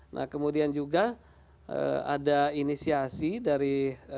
nah kemudian juga ada inisiasi dari